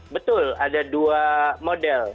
betul ada dua model